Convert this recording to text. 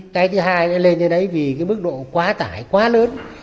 cái thứ hai lên đến đấy vì cái mức độ quá tải quá lớn